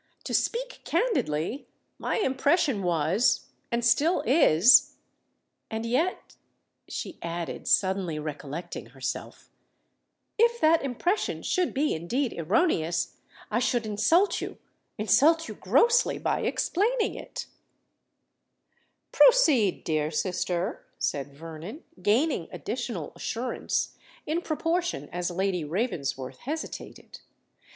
To speak candidly, my impression was—and still is,—and yet," she added, suddenly recollecting herself, "if that impression should be indeed erroneous, I should insult you—insult you grossly by explaining it——" "Proceed, dear sister," said Vernon, gaining additional assurance, in proportion as Lady Ravensworth hesitated.